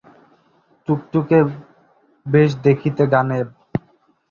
টুকটুকে, বেশ দেখিতে, গানেব।